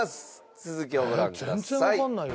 続きをご覧ください。